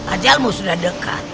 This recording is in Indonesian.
ajalmu sudah dekat